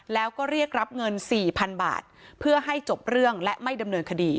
แล้วก็เรียกรับเงินสี่พันบาทเพื่อให้จบเรื่องและไม่ดำเนินคดี